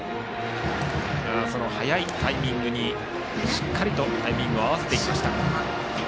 早いタイミングにしっかりとタイミングを合わせていきました。